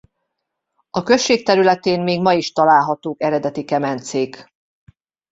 A község területén még ma is találhatók eredeti kemencék.